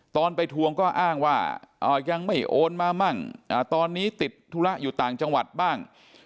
ตอนไปทวงก็อ้างว่ายังไม่โอนมามั่งตอนนี้ติดธุระอยู่ต่างจังหวัดบ้าง